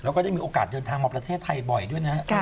แล้วก็ได้มีโอกาสเดินทางมาประเทศไทยบ่อยด้วยนะ